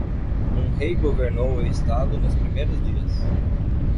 Um rei governou o estado nos primeiros dias.